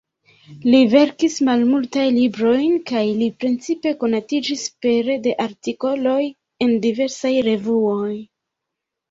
Li verkis malmultajn librojn, kaj li precipe konatiĝis pere de artikoloj en diversaj revuoj.